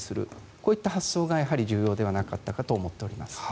こういった発想が重要ではなかったかと思っております。